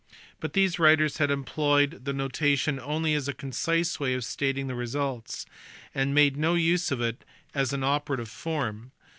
But these writers had employed the notation only as a concise way of stating results, and made no use of it as an operative form.